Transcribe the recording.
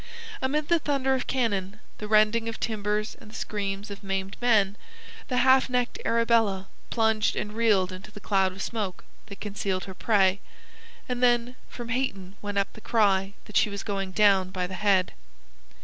Amid the thunder of cannon, the rending of timbers, and the screams of maimed men, the half necked Arabella plunged and reeled into the cloud of smoke that concealed her prey, and then from Hayton went up the cry that she was going down by the head.